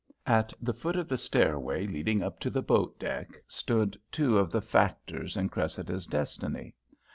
At the foot of the stairway leading up to the boat deck stood two of the factors in Cressida's destiny.